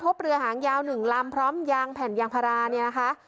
เรือหางยาว๑ลำพร้อมยางแผ่นยางพาราเนี่ยนะคะ